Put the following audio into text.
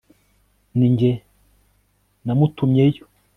ni nge namutumyeyo